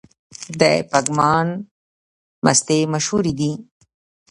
د پګمان مستې مشهورې دي؟